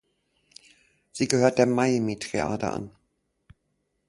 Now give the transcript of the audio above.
Sie gehört der Miami Triade an.